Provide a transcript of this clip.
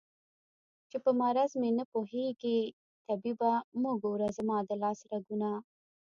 چې په مرض مې نه پوهېږې طبيبه مه ګوره زما د لاس رګونه